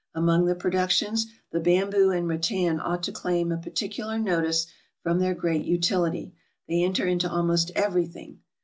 Among the produc tions, the bamboo and rattan ought to claim a particular notice from their great utility ; they enter into almost every thing.